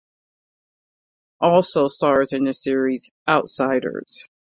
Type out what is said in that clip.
Also stars in the series, Outsiders.